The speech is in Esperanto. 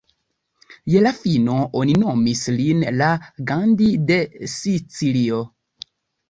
Je la fino, oni nomis lin la "Gandhi de Sicilio".